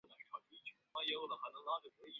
社名是相对于川上村的丹生川上神社上社。